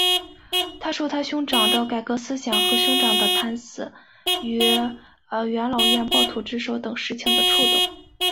他受他兄长的改革思想和兄长的惨死于元老院暴徒之手等事情的触动。